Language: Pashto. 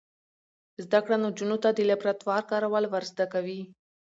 زده کړه نجونو ته د لابراتوار کارول ور زده کوي.